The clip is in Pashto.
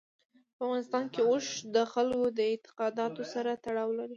په افغانستان کې اوښ د خلکو د اعتقاداتو سره تړاو لري.